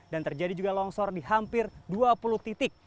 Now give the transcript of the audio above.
dan terjadi juga longsor di hampir dua puluh titik